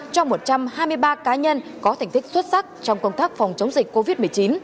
cho một trăm hai mươi ba cá nhân có thành tích xuất sắc trong công tác phòng chống dịch covid một mươi chín